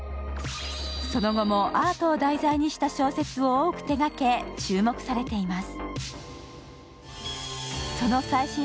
その後もアートを題材にした小説を多く手がけ、注目されています。